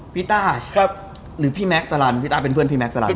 พี่ต้าหรือพี่แม็กซาลันพี่ต้าเป็นเพื่อนพี่แม็กซาลันไหม